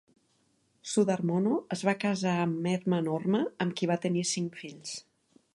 Sudharmono es va casar amb Erma Norma, amb qui va tenir cinc fills.